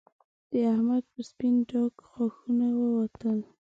د احمد پر سپين ډاګ غاښونه ووتل